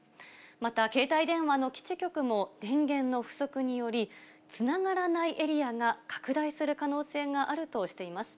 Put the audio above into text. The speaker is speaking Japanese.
また、携帯電話の基地局も電源の不足によりつながらないエリアが拡大する可能性があるとしています。